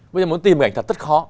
bây giờ muốn tìm hình ảnh thật rất khó